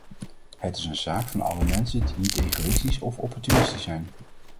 Het is een zaak van alle mensen die niet egoïstisch of opportunistisch zijn.